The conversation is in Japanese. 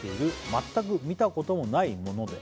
「全く見たこともないもので」